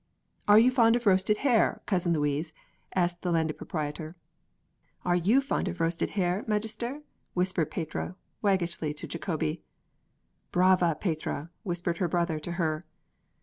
"Are you fond of roasted hare, Cousin Louise?" asked the Landed Proprietor. "Are you fond of roasted hare, Magister?" whispered Petrea waggishly to Jacobi. "Brava, Petrea!" whispered her brother to her.